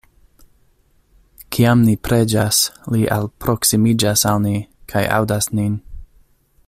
Kiam ni preĝas, Li alproksimiĝas al ni, kaj aŭdas nin.